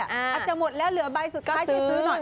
อาจจะหมดแล้วเหลือใบสุดท้ายช่วยซื้อหน่อย